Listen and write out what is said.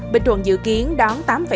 bình thuận dự kiến đón